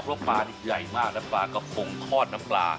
เพราะปลาที่ใหญ่มากปลาก็ฝงคลอดน้ำปลา